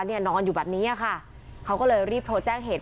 นอนอยู่แบบนี้ค่ะเขาก็เลยรีบโทรแจ้งเหตุ